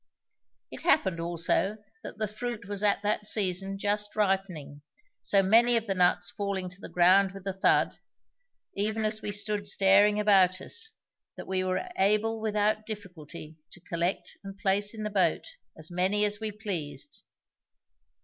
It happened also that the fruit was at that season just ripening, so many of the nuts falling to the ground with a thud, even as we stood staring about us, that we were able without difficulty to collect and place in the boat as many as we pleased.